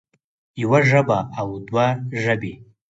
يوه ژبه او دوه ژبې